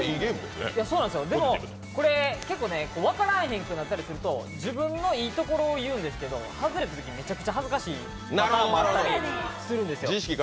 でも、これ、分からへんくなったときに自分のいいところを言うんですけど、外れたときにめちゃくちゃ恥ずかしかったりするんですよ。